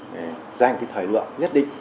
để dành cái thời lượng nhất định